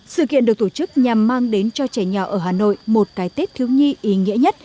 sự kiện được tổ chức nhằm mang đến cho trẻ nhỏ ở hà nội một cái tết thiếu nhi ý nghĩa nhất